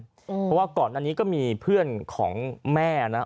เพราะว่าก่อนอันนี้ก็มีเพื่อนของแม่นะ